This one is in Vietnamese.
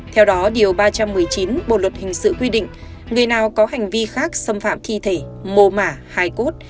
theo đó điều ba trăm một mươi chín bộ luật hình sự quy định người nào có hành vi khác xâm phạm thi thể mô mả hài cốt